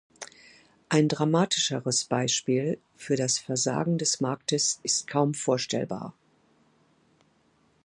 Ein dramatischeres Beispiel für das Versagen des Marktes ist kaum vorstellbar.